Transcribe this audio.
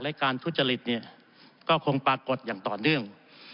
และการทุจริตเนี่ยก็คงปรากฏอย่างต่อเนื่อง